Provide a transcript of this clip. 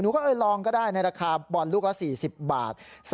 เออลองก็ได้ในราคาบอลลูกละ๔๐บาท